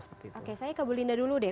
oke saya ke bu linda dulu deh